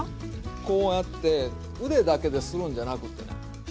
こうやって腕だけでするんじゃなくて膝！